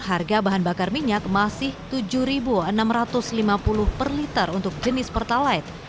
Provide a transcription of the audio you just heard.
harga bahan bakar minyak masih rp tujuh enam ratus lima puluh per liter untuk jenis pertalite